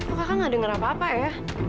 oh kakak gak dengar apa apa ya